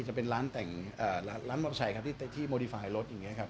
จะเป็นร้านแต่งร้านมอเตอร์ไซค์ครับที่โมดีไฟล์รถอย่างนี้ครับ